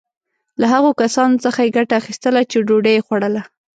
له هغو کسانو څخه یې ګټه اخیستله چې ډوډی یې خوړله.